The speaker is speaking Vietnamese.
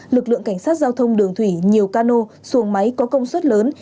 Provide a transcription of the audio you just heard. lực lượng cảnh sát giao thông đường thủy nhiều cano xuồng máy có công suất lớn